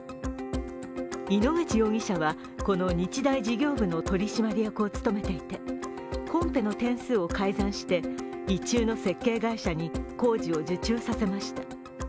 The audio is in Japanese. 井ノ口容疑者は、この日大事業部の取締役を務めていてコンペの点数を改ざんして、意中の設計会社に工事を受注させました。